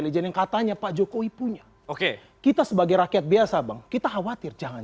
data intelligence katanya pak jokowi punya oke kita sebagai rakyat biasa bang kita hav ada jangan